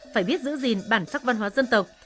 phải biết giữ gìn bản sắc văn hóa dân tộc